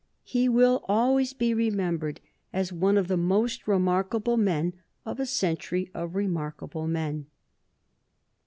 He will always be remembered as one of the most remarkable men of a century of remarkable men.